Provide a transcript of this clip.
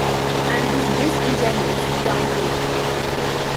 And it is disingenuous to down-play it.